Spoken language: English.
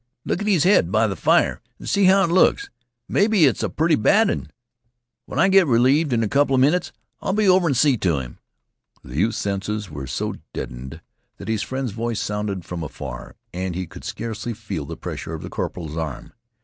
Look at his head by th' fire an' see how it looks. Maybe it's a pretty bad un. When I git relieved in a couple 'a minnits, I'll be over an' see t' him." The youth's senses were so deadened that his friend's voice sounded from afar and he could scarcely feel the pressure of the corporal's arm.